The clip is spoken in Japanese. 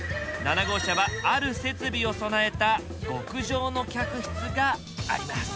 ７号車はある設備を備えた極上の客室があります。